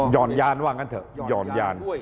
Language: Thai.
ยานว่างั้นเถอะหย่อนยาน